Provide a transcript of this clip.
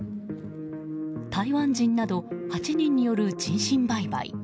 台湾人など８人による人身売買。